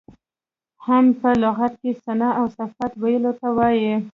حمد په لغت کې ثنا او صفت ویلو ته وایي.